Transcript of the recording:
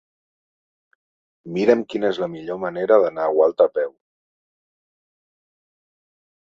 Mira'm quina és la millor manera d'anar a Gualta a peu.